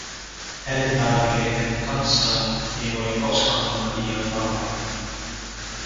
Elintarvikkeiden kanssa ei voi koskaan olla liian varovainen.